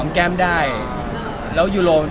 มีมีมีมีมี